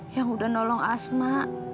yang udah nolong asma